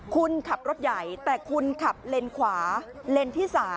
คุณขับรถใหญ่แต่คุณขับเลนขวาเลนส์ที่๓